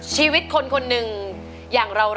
ชีวิตคนคนหนึ่งอย่างเรา